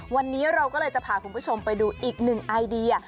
วันนี้เราก็เลยจะพาคุณผู้ชมไปดูอีกหนึ่งไอเดีย